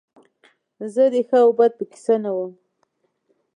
زه د ښه او بد په کیسه کې نه وم